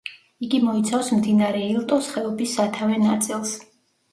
იგი მოიცავს მდინარე ილტოს ხეობის სათავე ნაწილს.